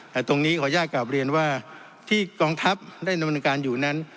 แต่ตรงนี้ขออนุญาตกลับเรียนว่าที่กองทัพได้ดำเนินการอยู่นั้น